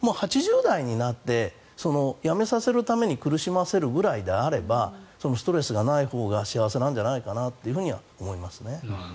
でも８０代になってやめさせるために苦しませるぐらいであればストレスがないほうが幸せではと思います。